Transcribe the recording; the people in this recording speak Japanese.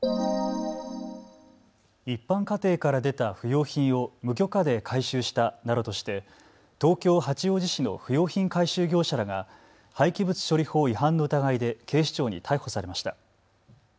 一般家庭から出た不用品を無許可で回収したなどとして東京八王子市の不用品回収業者らが廃棄物処理法違反の疑いで警視庁に逮捕されました。